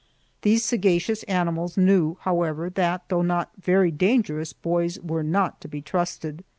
These sagacious animals knew, however, that, though not very dangerous, boys were not to be trusted.